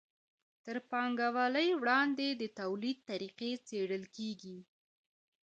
تر پانګوالۍ وړاندې د توليد طریقې څیړل کیږي.